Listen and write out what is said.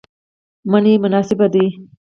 منی مناسبه ده